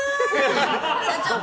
社長！